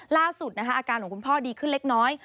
ล่าสุดนะคะอาการของคุณพ่อดีขึ้นเล็กน้อย